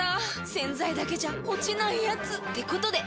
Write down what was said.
⁉洗剤だけじゃ落ちないヤツってことで。